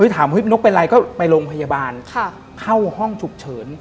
ถามนกเป็นไรก็ไปโรงพยาบาลเข้าห้องฉุกเฉิน